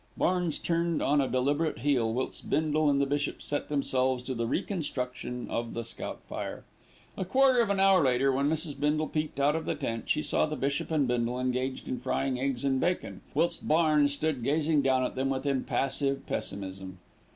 Barnes turned on a deliberate heel, whilst Bindle and the bishop set themselves to the reconstruction of the scout fire. A quarter of an hour later, when Mrs. Bindle peeped out of the tent, she saw the bishop and Bindle engaged in frying eggs and bacon; whilst Barnes stood gazing down at them with impassive pessimism.